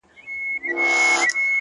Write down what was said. • د پاچا لور وم پر طالب مینه سومه,